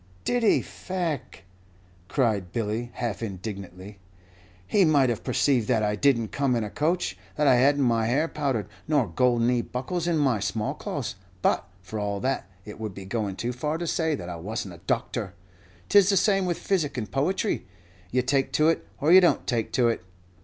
"Did he, faix?" cried Billy, half indignantly. "He might have perceived that I did n't come in a coach; that I had n't my hair powdered, nor gold knee buckles in my smallcloths; but, for all that, it would be going too far to say that I was n't a doctor! 'T is the same with physic and poetry you take to it, or you don't take to it!